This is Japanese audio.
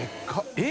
えっ！